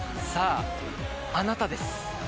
さああなたです。